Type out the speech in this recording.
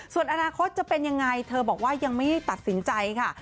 ส่วนอนาคตจะเป็นยังไงเธอบอกว่ายังไม่ได้ตัดสินใจค่ะ